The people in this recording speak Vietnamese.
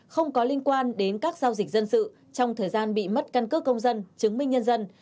không có liên quan đến các giao dịch dân sự trong thời gian bị mất căn cước công dân chứng minh nhân dân